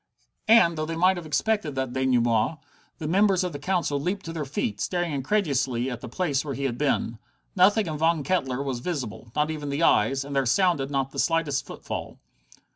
And, though they might have expected that denouement, the members of the Council leaped to their feet, staring incredulously at the place where he had been. Nothing of Von Kettler was visible, not even the eyes, and there sounded not the slightest footfall.